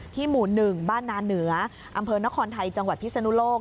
หมู่๑บ้านนาเหนืออำเภอนครไทยจังหวัดพิศนุโลก